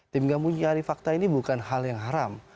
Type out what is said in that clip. tim gabungan nyari fakta ini bukan hal yang haram